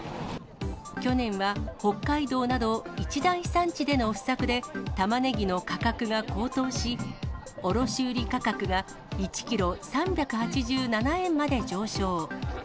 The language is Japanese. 去年は北海道など一大産地での不作で、たまねぎの価格が高騰し、卸売り価格が１キロ３８７円まで上昇。